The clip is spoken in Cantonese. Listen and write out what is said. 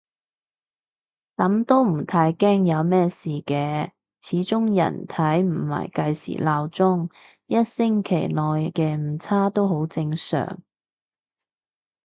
噉都唔太驚有乜事嘅，始終人體唔係計時鬧鐘，一星期內嘅誤差都好正常